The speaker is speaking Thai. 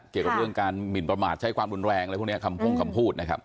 เกี่ยวกับเรื่องการหมินประมาทใช้ความรุนแรงอะไรพวกนี้คำพงคำพูดนะครับ